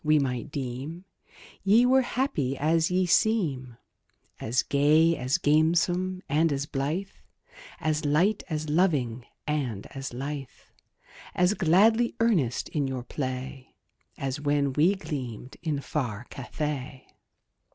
we might deem Ye were happy as ye seem As gay, as gamesome, and as blithe, As light, as loving, and as lithe, As gladly earnest in your play, As when ye gleamed in far Cathay.